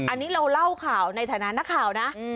อันนี้เราเล่าข่าวในฐานะนักข่าวนะ